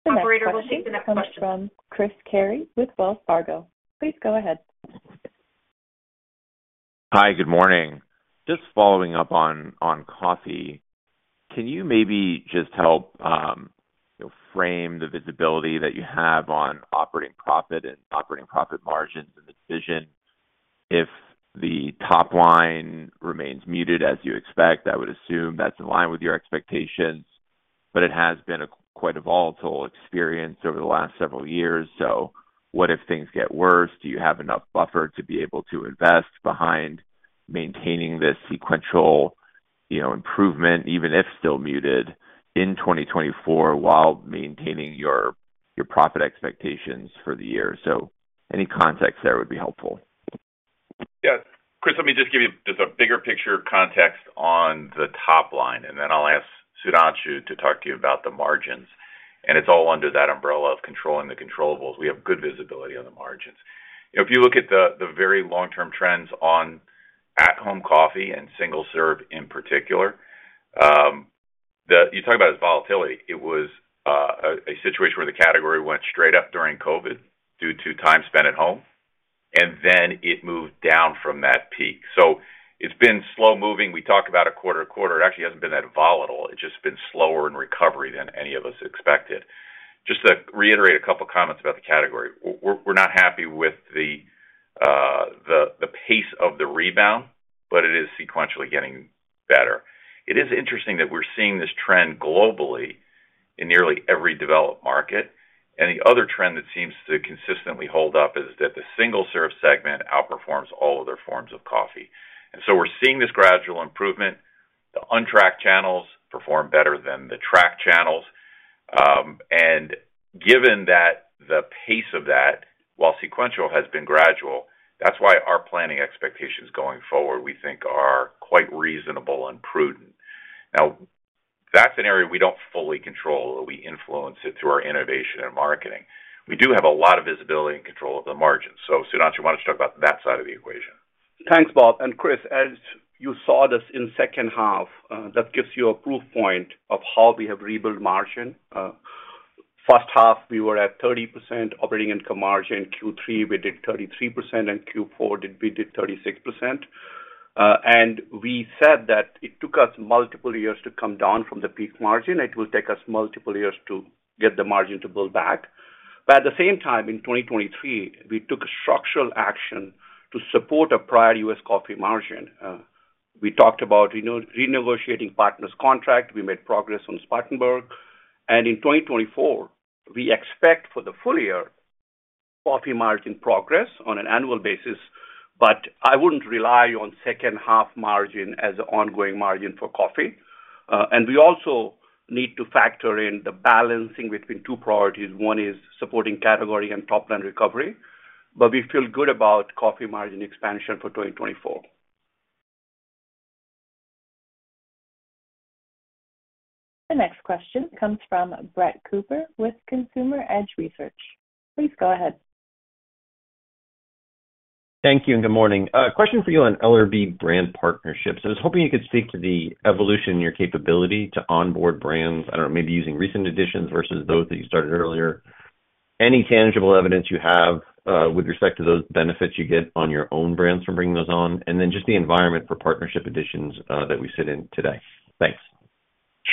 Operator, we'll take the next question. From Chris Carey with Wells Fargo. Please go ahead. Hi, good morning. Just following up on coffee, can you maybe just help, you know, frame the visibility that you have on operating profit and operating profit margins and the decision? If the top line remains muted as you expect, I would assume that's in line with your expectations, but it has been quite a volatile experience over the last several years. So what if things get worse? Do you have enough buffer to be able to invest behind maintaining this sequential, you know, improvement, even if still muted, in 2024, while maintaining your profit expectations for the year? So any context there would be helpful. Yeah, Chris, let me just give you just a bigger picture context on the top line, and then I'll ask Sudhanshu to talk to you about the margins. And it's all under that umbrella of controlling the controllables. We have good visibility on the margins. If you look at the very long-term trends on at-home coffee and single-serve in particular, you talk about its volatility. It was a situation where the category went straight up during COVID due to time spent at home, and then it moved down from that peak. So it's been slow-moving. We talked about it quarter to quarter. It actually hasn't been that volatile. It's just been slower in recovery than any of us expected. Just to reiterate a couple of comments about the category. We're not happy with the pace of the rebound, but it is sequentially getting better. It is interesting that we're seeing this trend globally in nearly every developed market, and the other trend that seems to consistently hold up is that the single-serve segment outperforms all other forms of coffee. And so we're seeing this gradual improvement. The untracked channels perform better than the tracked channels. And given that the pace of that, while sequential, has been gradual, that's why our planning expectations going forward, we think, are quite reasonable and prudent. Now, that's an area we don't fully control. We influence it through our innovation and marketing. We do have a lot of visibility and control of the margins. So Sudhanshu, why don't you talk about that side of the equation? Thanks, Bob. Chris, as you saw this in second half, that gives you a proof point of how we have rebuilt margin. First half, we were at 30% operating income margin. Q3, we did 33%, and Q4, we did 36%. And we said that it took us multiple years to come down from the peak margin. It will take us multiple years to get the margin to build back. But at the same time, in 2023, we took structural action to support a prior U.S. Coffee margin. We talked about renegotiating partners contract. We made progress on Spartanburg, and in 2024, we expect for the full year, coffee margin progress on an annual basis, but I wouldn't rely on second half margin as the ongoing margin for coffee. We also need to factor in the balancing between two priorities. One is supporting category and top line recovery, but we feel good about coffee margin expansion for 2024. The next question comes from Brett Cooper with Consumer Edge Research. Please go ahead. Thank you, and good morning. A question for you on LRB brand partnerships. I was hoping you could speak to the evolution in your capability to onboard brands, I don't know, maybe using recent additions versus those that you started earlier. Any tangible evidence you have, with respect to those benefits you get on your own brands from bringing those on, and then just the environment for partnership additions, that we sit in today. Thanks.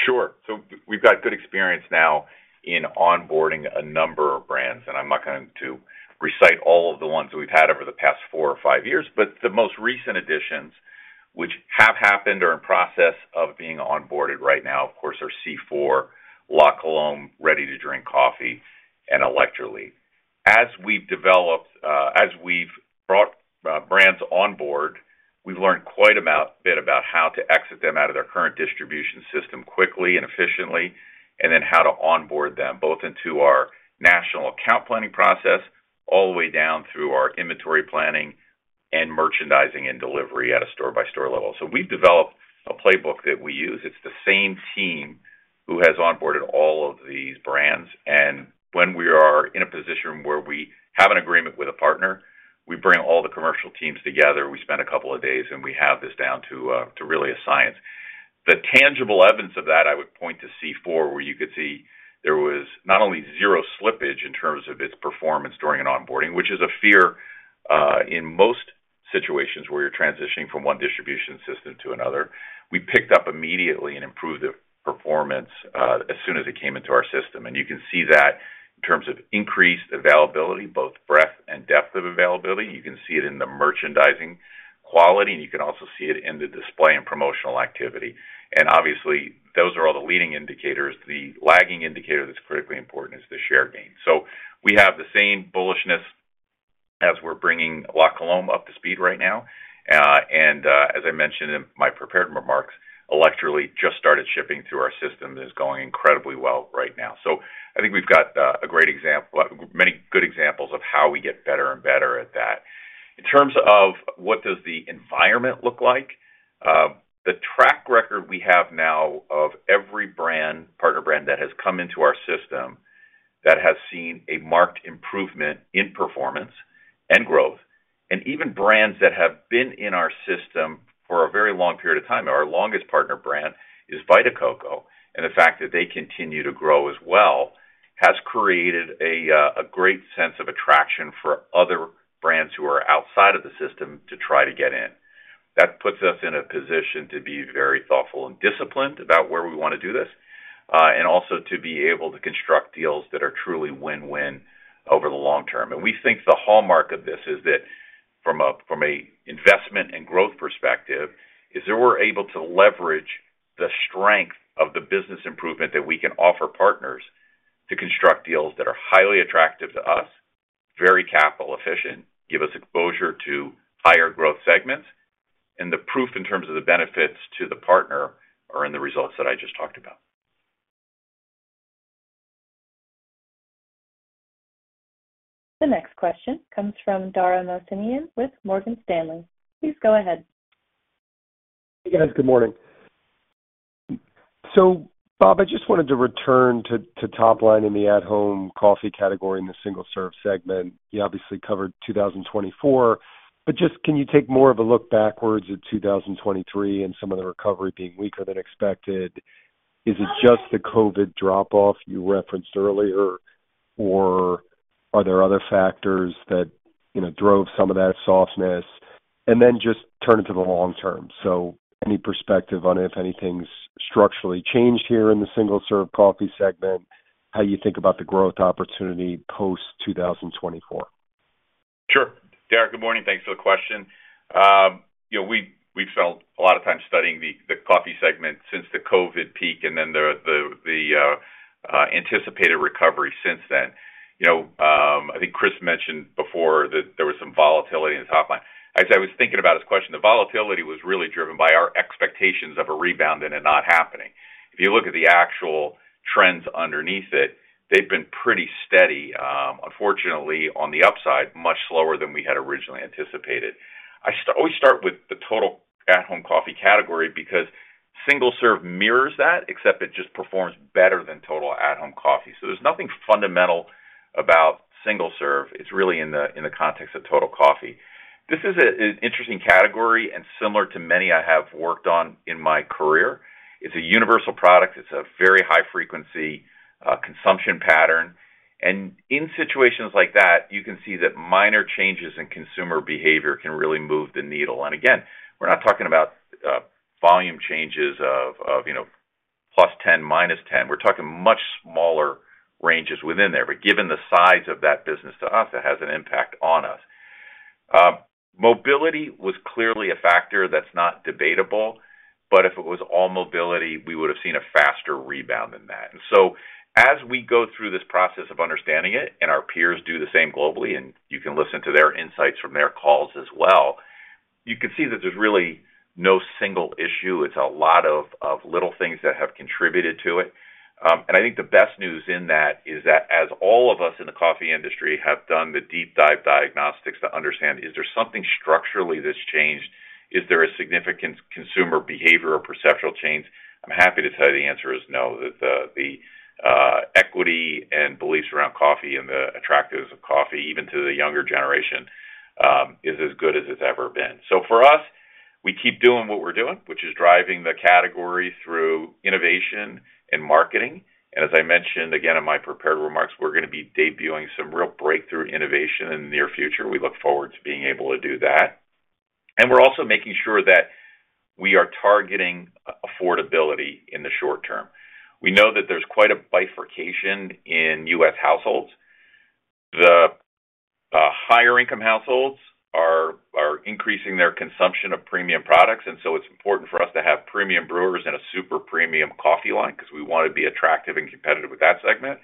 Sure. So we've got good experience now in onboarding a number of brands, and I'm not going to recite all of the ones that we've had over the past four or five years, but the most recent additions, which have happened or in process of being onboarded right now, of course, are C4, La Colombe, Ready to Drink Coffee, and Electrolit. As we've developed, as we've brought brands on board, we've learned quite a bit about how to exit them out of their current distribution system quickly and efficiently, and then how to onboard them, both into our national account planning process, all the way down through our inventory planning and merchandising and delivery at a store-by-store level. So we've developed a playbook that we use. It's the same team who has onboarded all of these brands, and when we are in a position where we have an agreement with a partner, we bring all the commercial teams together, we spend a couple of days, and we have this down to really a science. The tangible evidence of that, I would point to C4, where you could see there was not only zero slippage in terms of its performance during an onboarding, which is a fear in most situations where you're transitioning from one distribution system to another. We picked up immediately and improved the performance as soon as it came into our system, and you can see that in terms of increased availability, both breadth and depth of availability. You can see it in the merchandising quality, and you can also see it in the display and promotional activity. And obviously, those are all the leading indicators. The lagging indicator that's critically important is the share gain. So we have the same bullishness as we're bringing La Colombe up to speed right now. And, as I mentioned in my prepared remarks, Electrolit just started shipping through our system, and it's going incredibly well right now. So I think we've got, a great example, many good examples of how we get better and better at that. In terms of what does the environment look like, the track record we have now of every brand, partner brand, that has come into our system, that has seen a marked improvement in performance and growth, and even brands that have been in our system for a very long period of time. Our longest partner brand is Vita Coco, and the fact that they continue to grow as well, has created a, a great sense of attraction for other brands who are outside of the system to try to get in. That puts us in a position to be very thoughtful and disciplined about where we want to do this, and also to be able to construct deals that are truly win-win over the long term. And we think the hallmark of this is that from a, from a investment and growth perspective, is that we're able to leverage the strength of the business improvement that we can offer partners to construct deals that are highly attractive to us, very capital efficient, give us exposure to higher growth segments, and the proof in terms of the benefits to the partner are in the results that I just talked about. The next question comes from Dara Mohsenian with Morgan Stanley. Please go ahead. Yes, good morning. So, Bob, I just wanted to return to top line in the at-home coffee category in the single-serve segment. You obviously covered 2024, but just can you take more of a look backwards at 2023 and some of the recovery being weaker than expected? Is it just the COVID drop-off you referenced earlier, or are there other factors that, you know, drove some of that softness? And then just turn it to the long term. So any perspective on if anything's structurally changed here in the single-serve coffee segment, how you think about the growth opportunity post-2024? Sure. Dara, good morning. Thanks for the question. You know, we've spent a lot of time studying the coffee segment since the COVID peak and then the anticipated recovery since then. You know, I think Chris mentioned before that there was some volatility in the top line. As I was thinking about his question, the volatility was really driven by our expectations of a rebound and it not happening. If you look at the actual trends underneath it, they've been pretty steady, unfortunately, on the upside, much slower than we had originally anticipated. I always start with the total at-home coffee category because single-serve mirrors that, except it just performs better than total at-home coffee. So there's nothing fundamental about single-serve. It's really in the context of total coffee. This is an interesting category and similar to many I have worked on in my career. It's a universal product. It's a very high frequency consumption pattern, and in situations like that, you can see that minor changes in consumer behavior can really move the needle. Again, we're not talking about volume changes of you know +10, -10. We're talking much smaller ranges within there, but given the size of that business to us, that has an impact on us. Mobility was clearly a factor that's not debatable, but if it was all mobility, we would have seen a faster rebound than that. So as we go through this process of understanding it, and our peers do the same globally, and you can listen to their insights from their calls as well, you can see that there's really no single issue. It's a lot of little things that have contributed to it. And I think the best news in that is that as all of us in the coffee industry have done the deep dive diagnostics to understand, is there something structurally that's changed? Is there a significant consumer behavior or perceptual change? I'm happy to tell you the answer is no. That the equity and beliefs around coffee and the attractiveness of coffee, even to the younger generation, is as good as it's ever been. So for us, we keep doing what we're doing, which is driving the category through innovation and marketing. And as I mentioned again, in my prepared remarks, we're gonna be debuting some real breakthrough innovation in the near future. We look forward to being able to do that. And we're also making sure that we are targeting affordability in the short term. We know that there's quite a bifurcation in us households. The higher income households are increasing their consumption of premium products, and so it's important for us to have premium brewers and a super premium coffee line because we want to be attractive and competitive with that segment.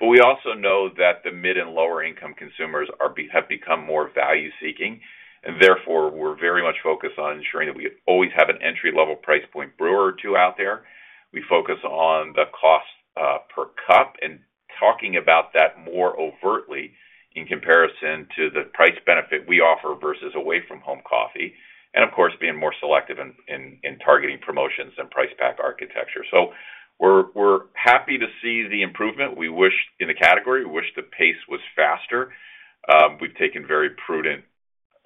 But we also know that the mid and lower income consumers have become more value-seeking, and therefore, we're very much focused on ensuring that we always have an entry-level price point brewer or two out there. We focus on the cost per cup and talking about that more overtly in comparison to the price benefit we offer versus away from home coffee, and of course, being more selective in targeting promotions and price pack architecture. So we're happy to see the improvement. We wish in the category the pace was faster. We've taken a very prudent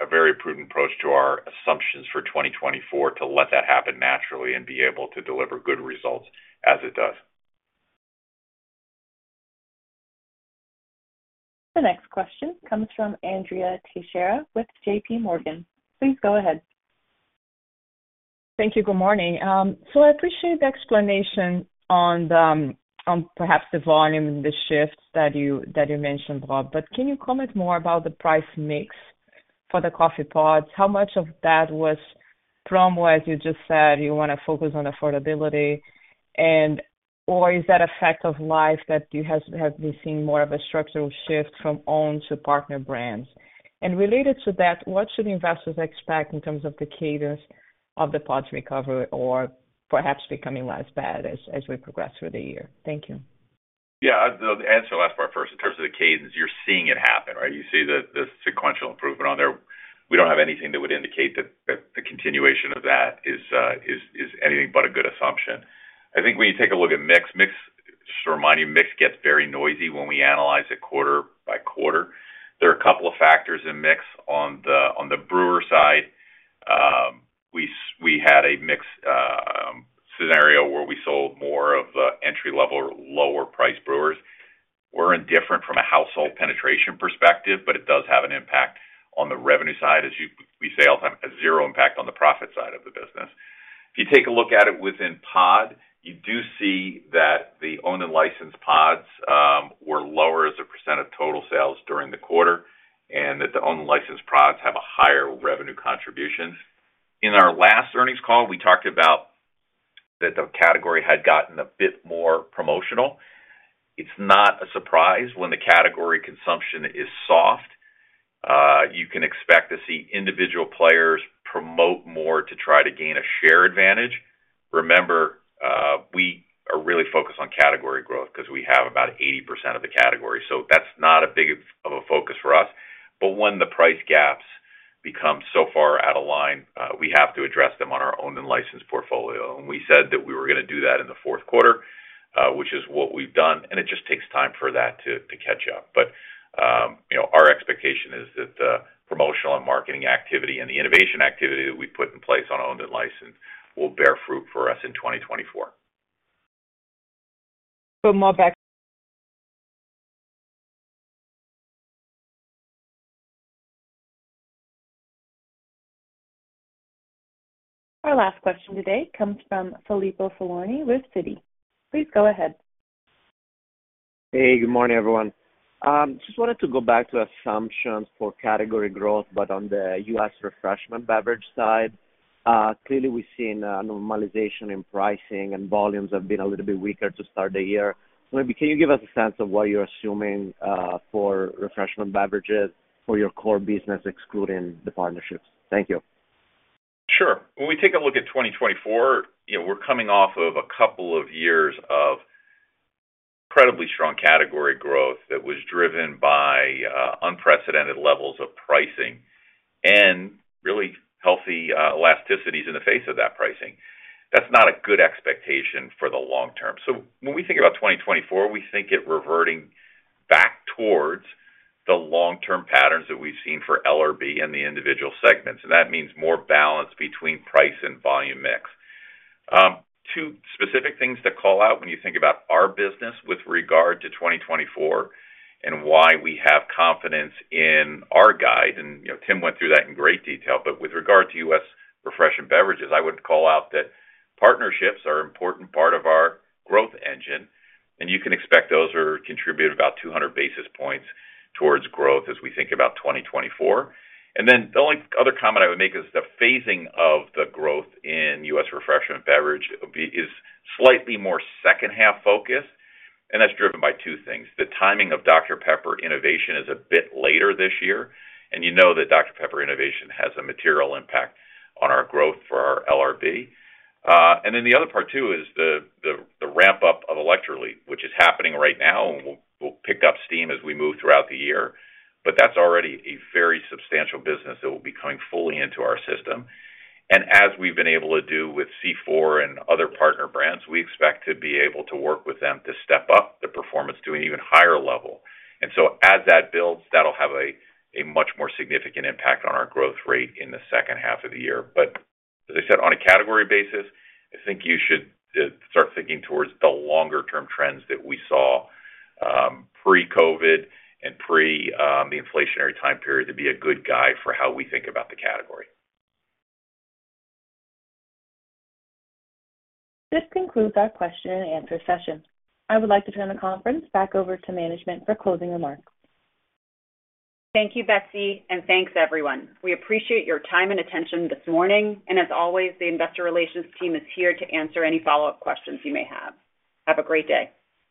approach to our assumptions for 2024, to let that happen naturally and be able to deliver good results as it does. The next question comes from Andrea Teixeira with JPMorgan. Please go ahead. Thank you. Good morning. So I appreciate the explanation on perhaps the volume and the shifts that you mentioned, Bob, but can you comment more about the price mix for the coffee pods? How much of that was from what you just said, you want to focus on affordability, and or is that a fact of life that you have been seeing more of a structural shift from owned to partner brands? And related to that, what should investors expect in terms of the cadence of the pods recovery or perhaps becoming less bad as we progress through the year? Thank you. Yeah, I'll answer the last part first. In terms of the cadence, you're seeing it happen, right? You see the sequential improvement on there. We don't have anything that would indicate that the continuation of that is anything but a good assumption. I think when you take a look at mix, just to remind you, mix gets very noisy when we analyze it quarter by quarter. There are a couple of factors in mix on the brewer side. We had a mix scenario where we sold more of the entry-level, lower-priced brewers. We're indifferent from a household penetration perspective, but it does have an impact on the revenue side, as we say all the time, a zero impact on the profit side of the business. If you take a look at it within pod, you do see that the owned and licensed pods were lower as a percent of total sales during the quarter, and that the owned and licensed pods have a higher revenue contribution. In our last earnings call, we talked about that the category had gotten a bit more promotional. It's not a surprise when the category consumption is soft. You can expect to see individual players promote more to try to gain a share advantage. Remember, we are really focused on category growth because we have about 80% of the category, so that's not a big of a focus for us. But when the price gaps become so far out of line, we have to address them on our owned and licensed portfolio. We said that we were gonna do that in the fourth quarter, which is what we've done, and it just takes time for that to catch up. But, you know, our expectation is that the promotional and marketing activity and the innovation activity that we put in place on owned and licensed will bear fruit for us in 2024. But more back- Our last question today comes from Filippo Falorni with Citi. Please go ahead. Hey, good morning, everyone. Just wanted to go back to assumptions for category growth, but on the U.S. Refreshment Beverage side. Clearly, we've seen a normalization in pricing and volumes have been a little bit weaker to start the year. Maybe can you give us a sense of what you're assuming, for Refreshment Beverages for your core business, excluding the partnerships? Thank you. Sure. When we take a look at 2024, you know, we're coming off of a couple of years of incredibly strong category growth that was driven by unprecedented levels of pricing and really healthy elasticities in the face of that pricing. That's not a good expectation for the long term. So when we think about 2024, we think it reverting back towards the long-term patterns that we've seen for LRB in the individual segments, and that means more balance between price and volume mix. Two specific things to call out when you think about our business with regard to 2024 and why we have confidence in our guide, and, you know, Tim went through that in great detail. But with regard to U.S. Refreshment Beverages, I would call out that partnerships are important part of our growth engine, and you can expect those to contribute about 200 basis points towards growth as we think about 2024. And then the only other comment I would make is the phasing of the growth in U.S. Refreshment Beverage is slightly more second half focused, and that's driven by two things. The timing of Dr Pepper innovation is a bit later this year, and you know that Dr Pepper innovation has a material impact on our growth for our LRB. And then the other part, too, is the ramp-up of Electrolit, which is happening right now and will pick up steam as we move throughout the year. But that's already a very substantial business that will be coming fully into our system. As we've been able to do with C4 and other partner brands, we expect to be able to work with them to step up their performance to an even higher level. And so as that builds, that'll have a much more significant impact on our growth rate in the second half of the year. But as I said, on a category basis, I think you should start thinking towards the longer-term trends that we saw pre-COVID and pre the inflationary time period to be a good guide for how we think about the category. This concludes our question and answer session. I would like to turn the conference back over to management for closing remarks. Thank you, Betsy, and thanks everyone. We appreciate your time and attention this morning, and as always, the investor relations team is here to answer any follow-up questions you may have. Have a great day.